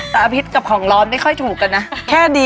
แต่อภิษฐ์กับของร้อนไม่ค่อยถูกอะนะ